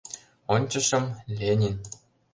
Ончышым — «Ленин».